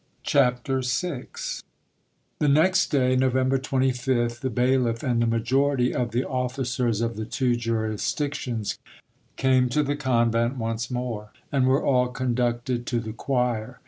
CHAPTER VI The next day, November 25th, the bailiff and the majority of the officers of the two jurisdictions came to the convent once more, and were all conducted to the choir.